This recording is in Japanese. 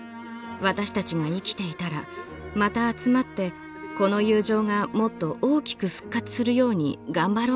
私たちが生きていたらまた集まってこの友情がもっと大きく復活するように頑張ろうと思います。